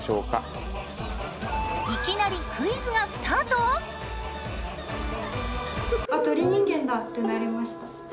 いきなりクイズがスタート？ってなりました。